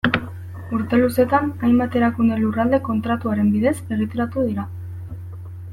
Urte luzetan, hainbat erakunde Lurralde Kontratuaren bidez egituratu dira.